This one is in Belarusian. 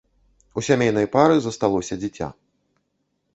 У сямейнай пары засталося дзіця.